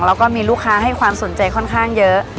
แล้วก็มีลูกค้าให้ความสนใจค่อนข้างเยอะ